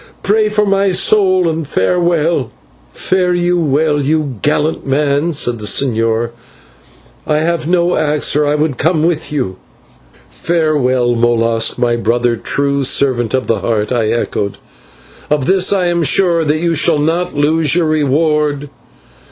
Pray for my soul, and farewell." "Fare you well, you gallant man," said the señor. "I have no axe or I would come with you." "Farewell, Molas, my brother, true servant of the Heart," I echoed; "of this I am sure, that you shall not lose your reward."